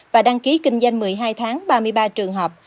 và đăng ký kinh doanh một mươi hai tháng ba mươi ba trường hợp